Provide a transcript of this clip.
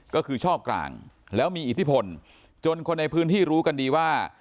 ก็คือชอบกลางแล้วมีอิทธิพลจนคนในพื้นที่รู้กันดีว่า